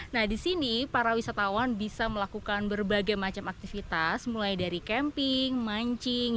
nah di sini para wisatawan bisa melakukan berbagai macam aktivitas mulai dari camping mancing